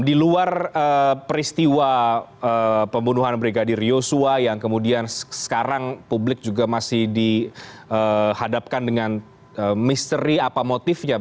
di luar peristiwa pembunuhan brigadir yosua yang kemudian sekarang publik juga masih dihadapkan dengan misteri apa motifnya